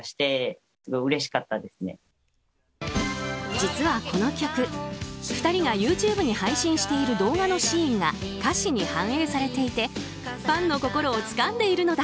実は、この曲２人がＹｏｕＴｕｂｅに配信している動画のシーンが歌詞に反映されていてファンの心をつかんでいるのだ。